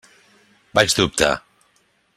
Vaig dubtar.